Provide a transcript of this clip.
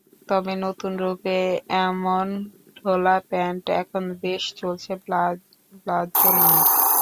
তবে নতুন রূপে এমন ঢোলা প্যান্ট এখন বেশ চলছে পালাজ্জো নামে।